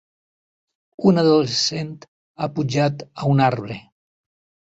Un adolescent ha pujat a un arbre.